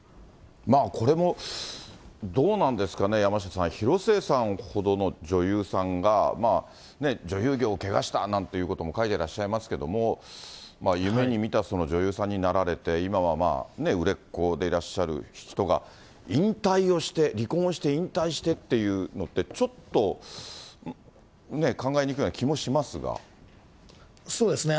まあこれも、どうなんですかね、山下さん、広末さんほどの女優さんが、女優業を汚したなんてことも書いてらっしゃいますけども、夢にみた女優さんになられて、今は売れっ子でらっしゃる人が、引退をして、離婚をして引退してっていうのって、ちょっとね、考えにくいようそうですね。